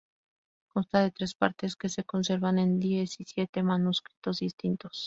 Consta de tres partes, que se conservan en diecisiete manuscritos distintos.